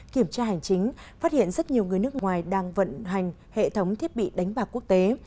kiểm tra hành chính phát hiện rất nhiều người nước ngoài đang vận hành hệ thống thiết bị đánh bạc quốc tế